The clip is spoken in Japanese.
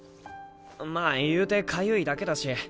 まあいうてかゆいだけだし。